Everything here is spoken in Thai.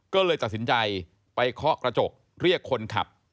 ก็เลยตัดสินใจไปเคาะกระจกเรียกคนขับ